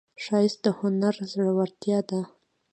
ښایست د هنر زړورتیا ده